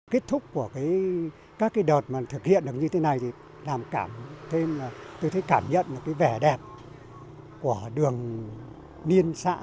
kết thúc của các đợt thực hiện được như thế này tôi thấy cảm nhận vẻ đẹp của đường liên xã